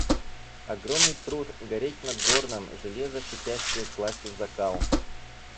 Огромный труд – гореть над горном, железа шипящие класть в закал.